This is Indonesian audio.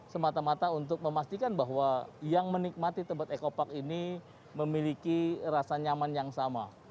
semata mata untuk memastikan bahwa yang menikmati tebet eco park ini memiliki rasa nyaman yang sama